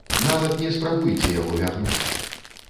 Нават не спрабуйце яго вярнуць!